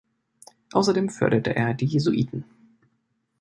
Außerdem förderte er die Jesuiten.